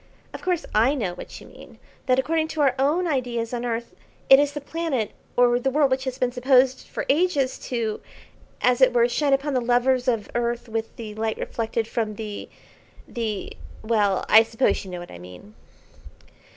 "Of course I know what you mean, that according to our own ideas on earth, it is the planet or the world which has been supposed for ages to, as it were, shine upon the lovers of earth with the light reflected from the the well, I suppose you know what I mean."